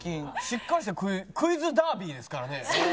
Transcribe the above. しっかりした『クイズダービー』ですからね。